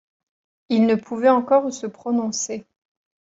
Il ne pouvait encore se prononcer.